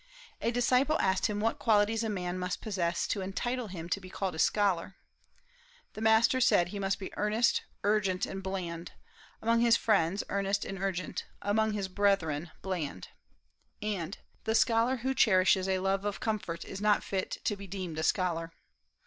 A disciple asked him what qualities a man must possess to entitle him to be called a scholar. The master said: "He must be earnest, urgent, and bland, among his friends earnest and urgent, among his brethren bland." And, "The scholar who cherishes a love of comfort is not fit to be deemed a scholar."